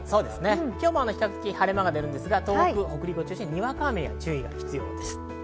今日も晴れ間が出ますが東北、北陸を中心に、にわか雨に注意が必要です。